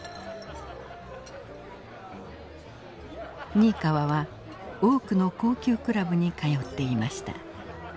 ニイカワは多くの高級クラブに通っていました。